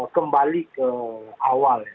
kembali ke awal